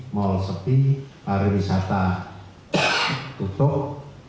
mal sepi pariwisata tutup